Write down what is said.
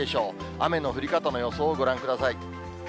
雨の降り方の予想をご覧ください。